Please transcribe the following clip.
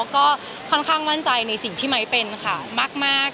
ก็ค่อนข้างมั่นใจในสิ่งที่ไม้เป็นค่ะมาก